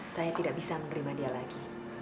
saya tidak bisa menerima dia lagi